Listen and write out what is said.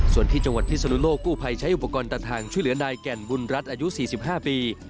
ส่วนที่จังหวัดพิศนุโลกกู้ภัยใช้อุปกรณ์ตัดทางช่วยเหลือนายแก่นบุญรัฐอายุ๔๕ปี